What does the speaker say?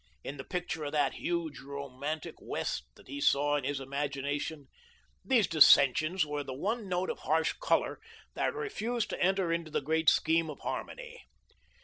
In the picture of that huge romantic West that he saw in his imagination, these dissensions made the one note of harsh colour that refused to enter into the great scheme of harmony.